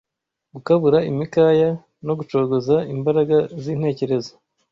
gukabura imikaya no gucogoza imbaraga z’intekerezo